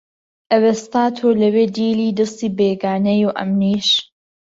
ئەوێستا تۆ لەوێ دیلی دەسی بێگانەی و ئەمنیش